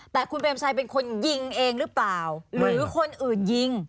แต่คุณเปรมชัยเป็นคนยิงเองหรือเปล่าหรือคนอื่นยิง